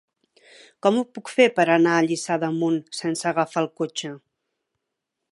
Com ho puc fer per anar a Lliçà d'Amunt sense agafar el cotxe?